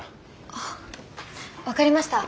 あ分かりました。